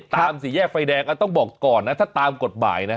สี่แยกไฟแดงต้องบอกก่อนนะถ้าตามกฎหมายนะ